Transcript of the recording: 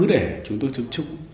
để chúng tôi chứng trúc